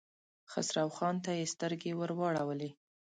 خسرو خان ته يې سترګې ور واړولې.